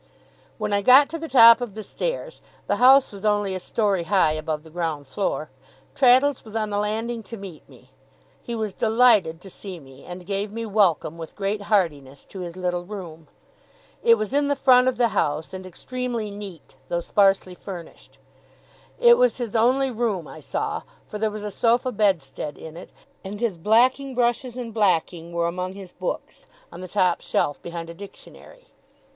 When I got to the top of the stairs the house was only a story high above the ground floor Traddles was on the landing to meet me. He was delighted to see me, and gave me welcome, with great heartiness, to his little room. It was in the front of the house, and extremely neat, though sparely furnished. It was his only room, I saw; for there was a sofa bedstead in it, and his blacking brushes and blacking were among his books on the top shelf, behind a dictionary.